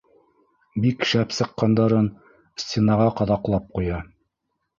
Бик шәп сыҡҡандарын стенаға ҡаҙаҡлап ҡуя.